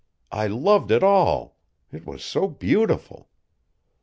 I loved it all it was so beautiful."